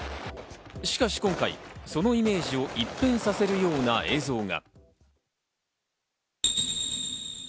しかし今回、そのイメージを一変させるような映像が。